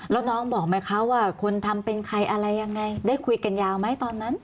แล้วน้องบอกไหมคะว่าคนทำเป็นใครอะไรยังไงได้คุยกันยาวไหมตอนนั้น